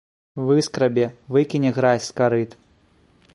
Выскрабе, выкіне гразь з карыт.